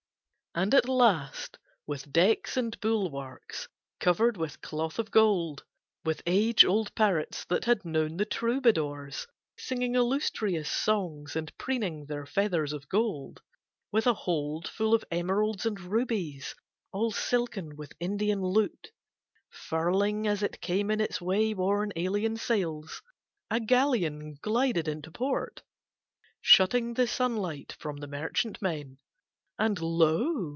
And at last with decks and bulwarks covered with cloth of gold; with age old parrots that had known the troubadours, singing illustrious songs and preening their feathers of gold; with a hold full of emeralds and rubies; all silken with Indian loot; furling as it came in its way worn alien sails, a galleon glided into port, shutting the sunlight from the merchantmen: and lo!